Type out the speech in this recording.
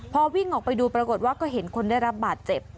พอวิ่งออกไปดูปรากฏว่าก็เห็นคนได้รับบาดเจ็บ